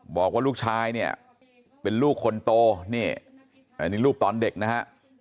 บอกว่าลูกชายเนี่ยเป็นลูกคนโตนี่อันนี้รูปตอนเด็กนะฮะ